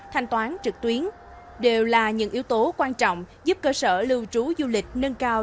thanh toán trực tuyến đều là những yếu tố quan trọng giúp cơ sở lưu trú du lịch nâng cao